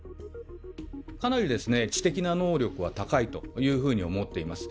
かなり知的な能力は高いというふうに思っています。